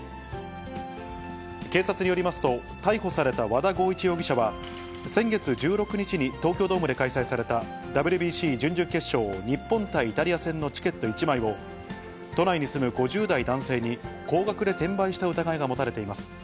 警察によりますと、逮捕された和田剛一容疑者は、先月１６日に東京ドームで開催された、ＷＢＣ準々決勝日本対イタリア戦のチケット１枚を、都内に住む５０代男性に高額で転売した疑いが持たれています。